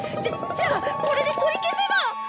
じゃじゃあこれで取り消せば。